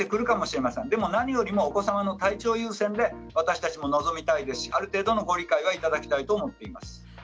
でも何よりお子さまの体調を優先で私たちも臨みたいですしある程度のご理解はいただきたいと思っています。